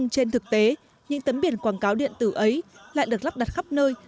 trên thực tế những tấm biển quảng cáo điện tử ấy lại được lắp đặt khắp nơi